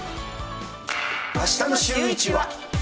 あしたのシューイチは。